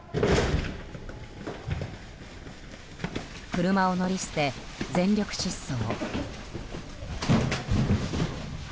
車を乗り捨て、全力疾走。